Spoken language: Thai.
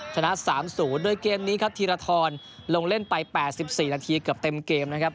ชนะ๓๐โดยเกมนี้ครับธีรทรลงเล่นไป๘๔นาทีเกือบเต็มเกมนะครับ